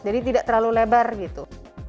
jadi tidak terlalu lebar gitu